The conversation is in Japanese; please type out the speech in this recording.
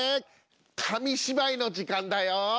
紙芝居の時間だよ！